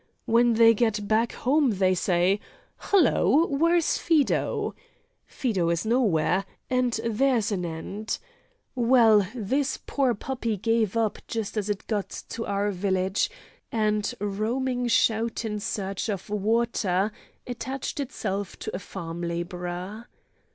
When they get back home they say: 'Hallo! where's Fido?' Fido is nowhere, and there's an end! Well, this poor puppy gave up just as it got to our village; and, roaming shout in search of water, attached itself to a farm labourer.